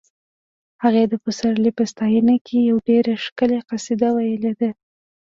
هغه د پسرلي په ستاینه کې یوه ډېره ښکلې قصیده ویلې ده